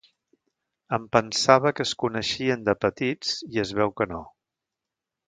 Em pensava que es coneixien de petits i es veu que no.